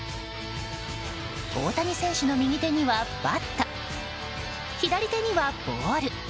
大谷選手の右手にはバット左手にはボール。